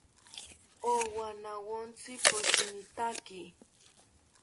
Owanawontzi poshinitaki